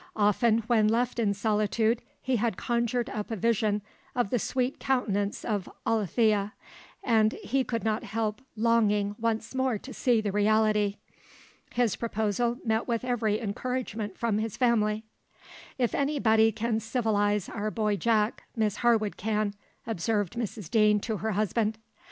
Often when left in solitude he had conjured up a vision of the sweet countenance of Alethea, and he could not help longing once more to see the reality. His proposal met with every encouragement from his family. "If any body can civilise our boy Jack, Miss Harwood can," observed Mrs Deane to her husband.